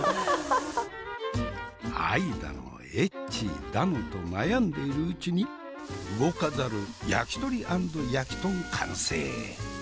愛だのエッチだのと悩んでいるうちに動かざる焼き鳥アンド焼き豚完成へ。